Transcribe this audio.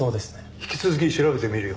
引き続き調べてみるよ。